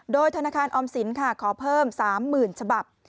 โดยธนาคารออมสินขอเพิ่ม๓๐๐๐ฉบับ